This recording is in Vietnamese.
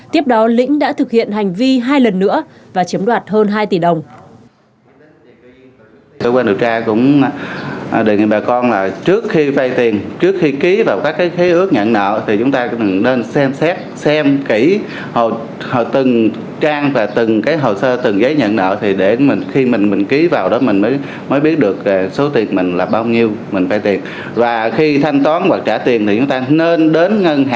tiếp đó lĩnh đã thực hiện hành vi hai lần nữa và chiếm đoạt hơn hai tỷ đồng